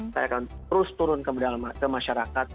saya akan terus turun ke masyarakat